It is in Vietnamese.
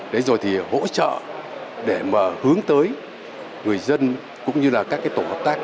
đấy rồi thì hỗ trợ để mà hướng tới người dân cũng như là các cái tổ hợp tác